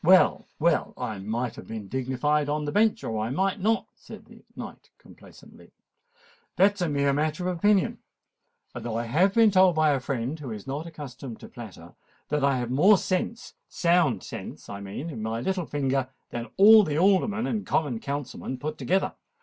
"Well—well—I might have been dignified on the bench—or I might not," said the knight complacently: "that is a mere matter of opinion—although I have been told by a friend who is not accustomed to flatter, that I have more sense—sound sense, I mean—in my little finger, than all the Aldermen and Common Councilmen put together.